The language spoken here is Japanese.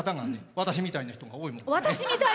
私みたいなのが、多いので。